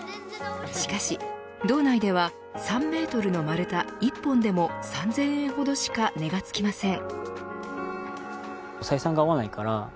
しかし、道内では３メートルの丸太１本でも３０００円ほどしか値がつきません。